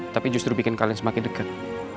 tapi justru bikin kalian semakin dekat